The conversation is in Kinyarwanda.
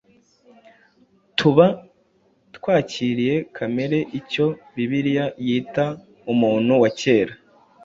tuba twakiriye kamere Icyo Bibiliya yita “Umuntu wa kera”